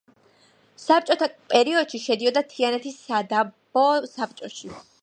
საბჭოთა პერიოდში შედიოდა თიანეთის სადაბო საბჭოში.